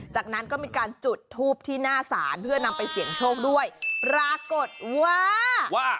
จากนั้นก็มีการจุดทูปที่หน้าศาลเพื่อนำไปเสี่ยงโชคด้วยปรากฏว่าว่า